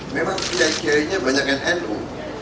memang kiai kiai nya banyak nu